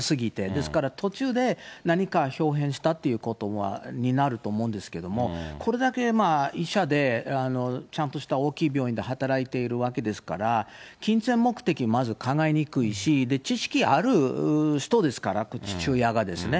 ですから途中で何かひょう変したということになると思うんですけれども、これだけ医者でちゃんとした大きい病院で働いているわけですから、金銭目的、まず考えにくいし、知識ある人ですから、父親がですね。